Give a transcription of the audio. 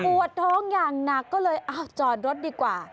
ปวดท้องอย่างหนักก็เลยจอดรถดีกว่า